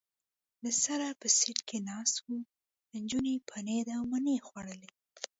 له سره په سېټ کې ناست و، نجونو پنیر او مڼه خوړل.